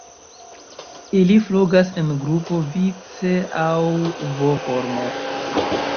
Ili flugas en grupo vice aŭ V-formo.